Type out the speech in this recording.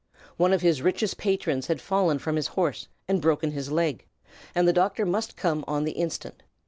One of his richest patrons had fallen from his horse and broken his leg, and the doctor must come on the instant.